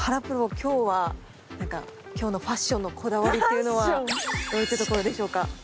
今日は今日のファッションのこだわりっていうのはどういったところでしょうか？